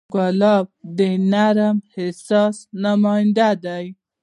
ګلاب د نرم احساس نماینده دی.